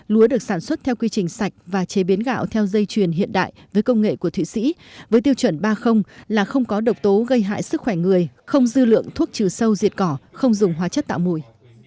lúa được sản xuất theo quy trình sạch và chế biến gạo theo dây chuyền hiện đại với công nghệ của thụy sĩ với tiêu chuẩn ba là không có độc tố gây hại sức khỏe người không dư lượng thuốc trừ sâu diệt cỏ không dùng hóa chất tạo mùi